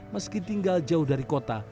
meski tinggal jauh dari kota